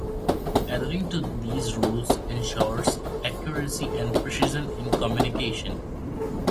Adhering to these rules ensures accuracy and precision in communication.